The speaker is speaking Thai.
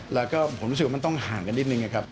แล้วก็ผมรู้สึกว่ามันต้องห่างกันนิดนึงนะครับ